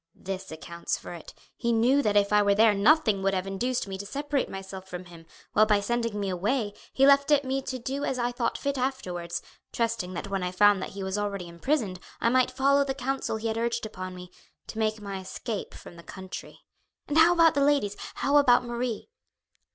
This accounts for it. He knew that if I were there nothing would have induced me to separate myself from him, while by sending me away he left it to me to do as I thought fit afterwards, trusting that when I found that he was already imprisoned I might follow the counsel he had urged upon me, to make my escape from the country. And how about the ladies, how about Marie?"